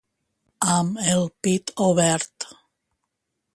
Amb el pit obert.